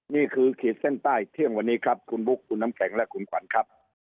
ขีดเส้นใต้เที่ยงวันนี้ครับคุณบุ๊คคุณน้ำแข็งและคุณขวัญครับ